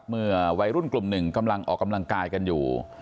เมื่อวัยรุ่นกลุ่มหนึ่งกำลังออกกำลังกายกันอยู่